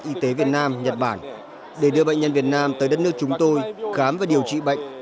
y tế việt nam nhật bản để đưa bệnh nhân việt nam tới đất nước chúng tôi khám và điều trị bệnh